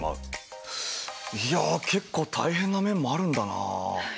いや結構大変な面もあるんだな。